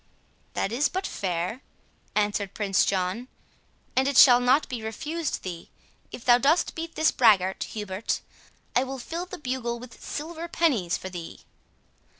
"That is but fair," answered Prince John, "and it shall not be refused thee.—If thou dost beat this braggart, Hubert, I will fill the bugle with silver pennies for thee."